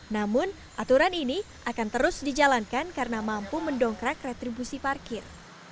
namun aturan ini akan terus dijalankan karena mampu mendongkrak retribusi parkir